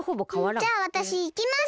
じゃあわたしいきます。